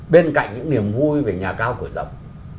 bên cạnh những niềm vui về nhà cao cửa rộng